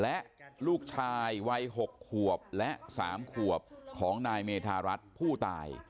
และลูกชายวัย๖ขวบและ๓ขวบของนายเมธารัฐผู้ตาย